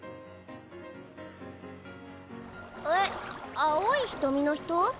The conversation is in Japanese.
えっ青い瞳の人？